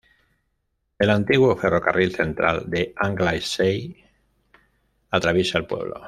El antiguo Ferrocarril Central de Anglesey atraviesa el pueblo.